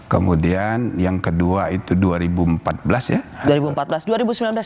kemudian yang kedua itu dua ribu empat belas ya